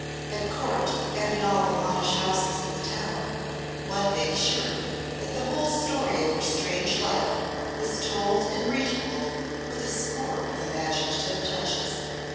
At Court, and in all the modish houses in the town, one may be sure that the whole story of her strange life was told and retold with a score of imaginative touches.